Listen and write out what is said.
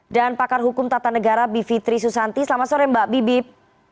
dan pakar hukum tata negara bivitri susanti selamat sore mbak bibip